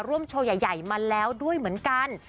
ร่วมโชว์ใหญ่มาแล้วด้วยเหมือนกัน